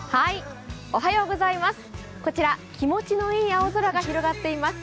こちら気持ちのいい青空が広がっています。